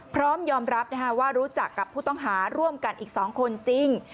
พร้อมยอมรับว่ารู้จักกับผู้ต้องหาร่วมกันอีก๒คนจริง